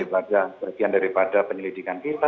sebagai bagian daripada penyelidikan kita